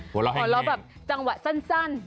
หัวเราะแบบจังหวะสั้น